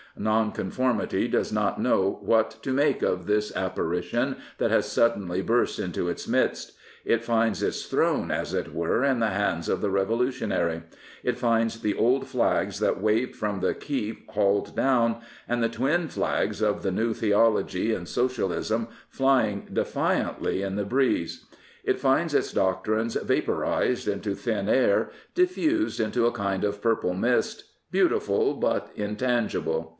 Nonconformity does not know what to make of this apparition that has suddenly burst into its midst. It finds its throne, as it were, in the hands of the revolu tionary. It finds the old flags that waved from the keep hauled down, and the twin flags of the " New Theology and Socialism flying defiantly in the breeze. It finds its doctrines vaporised into thin air, diffused into a kind of purple mist, beautiful, but intangible.